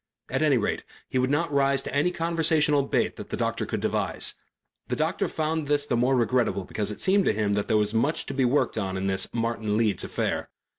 At any rate he would not rise to any conversational bait that the doctor could devise. The doctor found this the more regrettable because it seemed to him that there was much to be worked upon in this Martin Leeds affair.